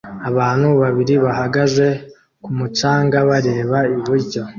Abantu babiri bahagaze ku mucanga bareba iburyo